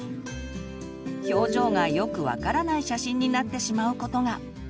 表情がよく分からない写真になってしまうことが。